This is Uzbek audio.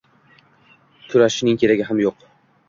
Kurashishning keragi ham yo‘q.